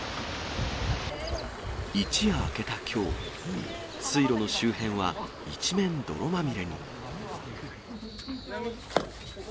一夜明けたきょう、水路の周辺は一面泥まみれに。